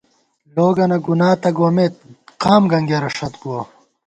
لوگنہ گناہ تہ گومېت قام گنگېرہ ݭت بُوَہ